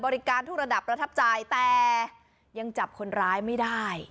ทุกระดับประทับใจแต่ยังจับคนร้ายไม่ได้